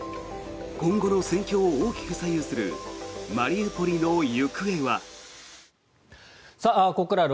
今後の戦況を大きく左右するマリウポリの行方は。